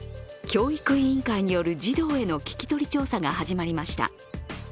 教育委員会による児童への聞き取り調査が始まりました。